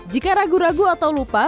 jika ragu ragu atau lupa